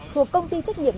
thuộc công ty trách nhiệm